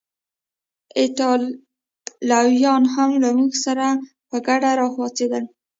ایټالویان هم له موږ سره په ګډه راپاڅېدل.